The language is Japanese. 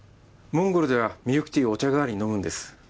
モンゴルではミルクティーをお茶代わりに飲むんです。